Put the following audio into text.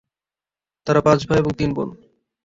তারা পাঁচ ভাই এবং তিন বোন।